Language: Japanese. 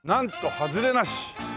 ハズレなし！！」